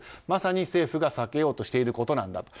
まさに政府が避けようとしていることなんだ。